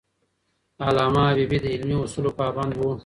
علامه حبیبي د علمي اصولو پابند و.